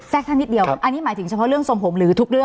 ท่านนิดเดียวอันนี้หมายถึงเฉพาะเรื่องทรงผมหรือทุกเรื่อง